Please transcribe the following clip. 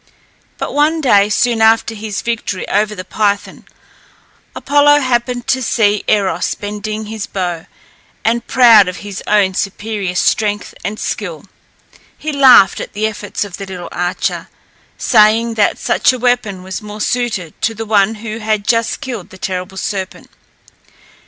But one day, soon after his victory over the Python, Apollo happened to see Eros bending his bow, and proud of his own superior strength and skill, he laughed at the efforts of the little archer, saying that such a weapon was more suited to the one who had just killed the terrible serpent.